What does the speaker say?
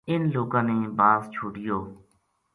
اِنھ لوکاں نے باز چھوڈیو